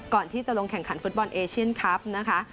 ก่อนที่จะลงแข่งขันฟุตบอลเอเชียนคลับนะคะ